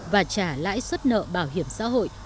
và trả lãi suất nợ bảo hiểm xã hội